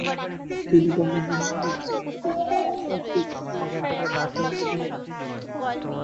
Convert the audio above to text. তিনি বাংলা এবং ফরাসি মুদ্রাক্ষরের অধুনিক আকৃতির উদ্ভাবক।